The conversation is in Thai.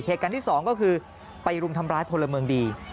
เหตุการณ์ที่สองก็คือไปรุมทำร้ายพลเมืองดี